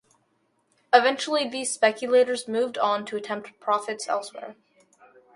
Eventually these speculators moved on to attempt profits elsewhere.